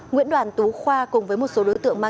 nguyễn đoàn tú khoa cùng với một số đối tượng mang